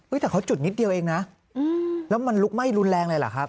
แต่เขาจุดนิดเดียวเองนะแล้วมันลุกไหม้รุนแรงเลยเหรอครับ